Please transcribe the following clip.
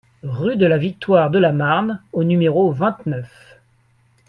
Rue de la Victoire de la Marne au numéro vingt-neuf